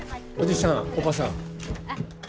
おじさんおばさん。